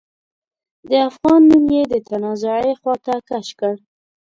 د افغان نوم يې د تنازعې خواته کش کړ.